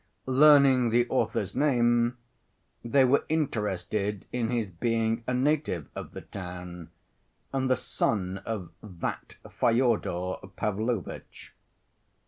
Learning the author's name, they were interested in his being a native of the town and the son of "that Fyodor Pavlovitch."